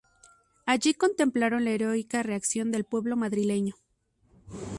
Allí contemplaron la heroica reacción del pueblo madrileño.